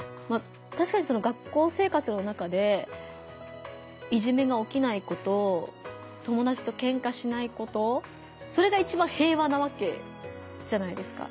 たしかに学校生活の中でいじめがおきないこと友だちとケンカしないことそれが一番平和なわけじゃないですか。